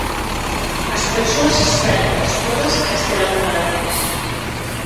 As persoas expertas: todas castelán falantes.